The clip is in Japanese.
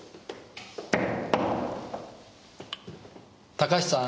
高橋さん！